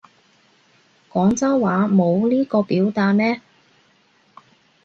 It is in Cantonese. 廣州話冇呢個表達咩